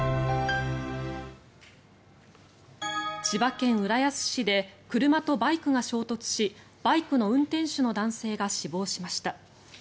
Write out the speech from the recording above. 千葉県浦安市で車とバイクが衝突しバイクの運転手の男性が死亡しました。